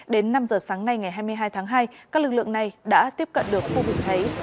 đến năm giờ sáng nay ngày hai mươi hai tháng hai các lực lượng này đã tiếp cận được khu vực cháy